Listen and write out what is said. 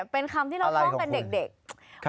เป็นคำที่เราท่องเป็นเด็ก